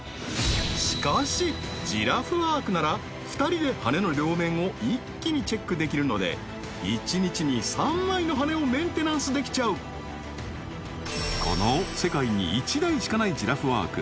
しかしジラフワークなら２人で羽根の両面を一気にチェックできるので一日に３枚の羽根をメンテナンスできちゃうこの世界に１台しかないジラフワーク